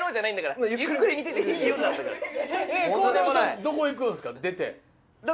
どこ行くんすか？